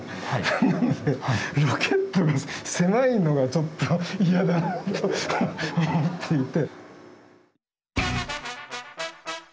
なのでロケットが狭いのがちょっとイヤだなと思っていて。